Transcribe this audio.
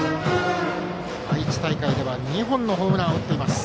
愛知大会では２本のホームランを打っています。